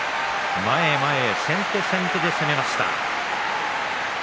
前に前に先手先手で攻めました。